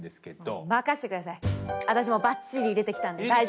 私もうばっちり入れてきたんで大丈夫です！